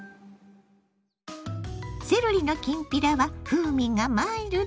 セロリのきんぴらは風味がマイルド。